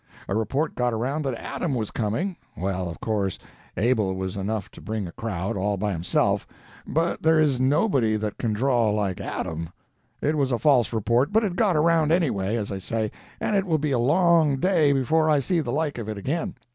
A report got around that Adam was coming; well, of course, Abel was enough to bring a crowd, all by himself, but there is nobody that can draw like Adam. It was a false report, but it got around, anyway, as I say, and it will be a long day before I see the like of it again.